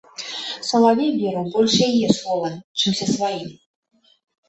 Салавей верыў больш яе словам, чымся сваім.